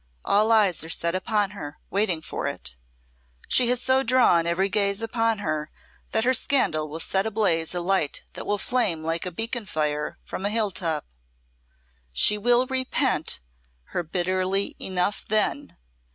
All eyes are set upon her, waiting for it. She has so drawn every gaze upon her, that her scandal will set ablaze a light that will flame like a beacon fire from a hill top. She will repent her bitterly enough then.